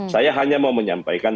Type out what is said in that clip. saya hanya mau menyampaikan satu hal